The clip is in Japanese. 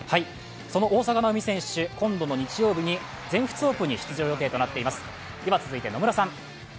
その大坂なおみ選手、今度の日曜日に全仏オープンに出場予定となっております。